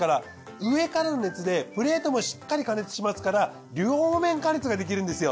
上からの熱でプレートもしっかり加熱しますから両面加熱ができるんですよ。